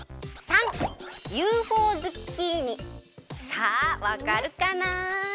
さあわかるかな？